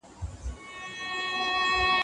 حقوق باید ضایع نه سي.